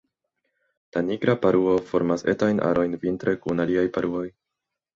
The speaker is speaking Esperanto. La Nigra paruo formas etajn arojn vintre kun aliaj paruoj.